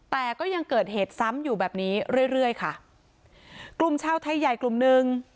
แต่ก็ยังเกิดเหตุซ้ำอยู่แบบนี้เรื่อยเรื่อยค่ะกลุ่มชาวไทยใหญ่กลุ่มหนึ่ง